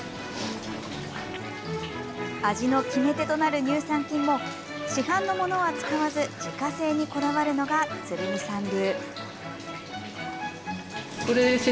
味の決め手となる乳酸菌も市販のものは使わず自家製にこだわるのが鶴見さん流。